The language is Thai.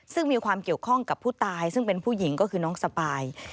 ซึ่งมีความเกี่ยวข้องกับผู้ตายซึ่งเป็นผู้หญิงก็คือน้องสปาย